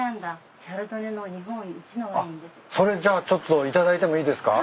あっそれじゃあちょっと頂いてもいいですか？